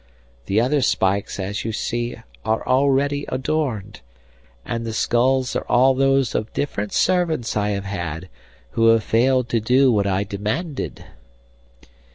The other spikes, as you see, are already adorned, and the skulls are all those of different servants I have had who have failed to do what I demanded.